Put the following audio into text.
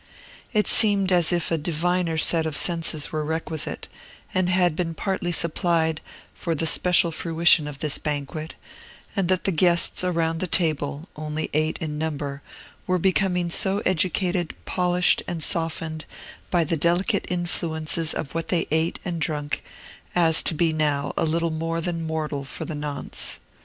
It seemed as if a diviner set of senses were requisite, and had been partly supplied, for the special fruition of this banquet, and that the guests around the table (only eight in number) were becoming so educated, polished, and softened, by the delicate influences of what they ate and drunk, as to be now a little more than mortal for the nonce.